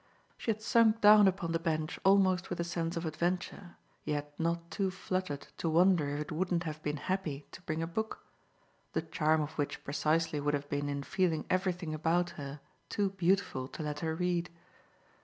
She had sunk down upon the bench almost with a sense of adventure, yet not too fluttered to wonder if it wouldn't have been happy to bring a book; the charm of which precisely would have been in feeling everything about her too beautiful to let her read.